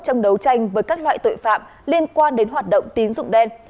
trong đấu tranh với các loại tội phạm liên quan đến hoạt động tín dụng đen